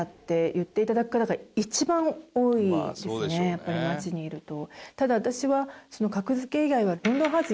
やっぱり街にいると。